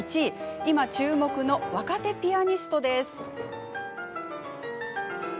今、注目の若手ピアニストです。